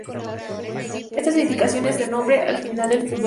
Esta edificación da nombre al equipo de fútbol local.